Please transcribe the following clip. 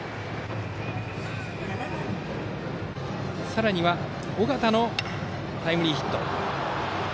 さらには、尾形のタイムリーヒット。